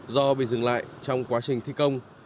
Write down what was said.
do bị dừng lại trong quá trình thi công